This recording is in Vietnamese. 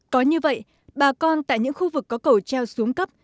có như vậy bà con tại những khu vực có cầu treo xuống cấp